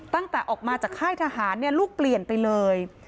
ตั้งแต่ออกมาจากค่ายทหารลูกเปลี่ยนไปเลย